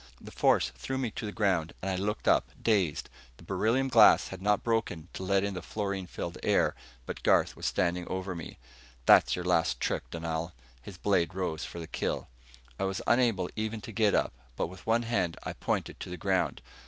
The force threw me to the ground, and I looked up, dazed. The beryllium glass had not broken to let in the fluorine filled air, but Garth was standing over me. "That's your last trick, Dunal." His blade rose for the kill. I was unable even to get up, but with one hand I pointed to the ground.